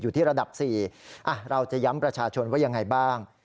อยู่ที่ระดับ๔เราจะย้ำประชาชนว่ายังไงบ้าง